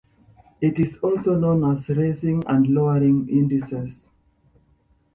It is also known as raising and lowering indices.